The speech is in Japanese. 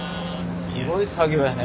すごい作業やね。